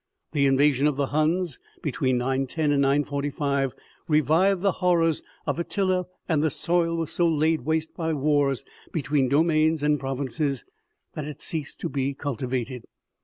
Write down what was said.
The invasion of the Huns, between 910 and 945, revived the horrors of Attila, and the soil was so laid waste by wars between domains and provinces that it ceased to be culti vated.